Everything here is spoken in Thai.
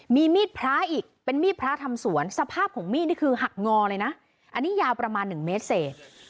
มีมีดพระอีกเป็นมีดพระทำสวนสภาพของมีดนี่คือหักงอเลยนะอันนี้ยาวประมาณ๑เมตรเศษ